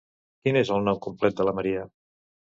Quin és el nom complet de la Maria?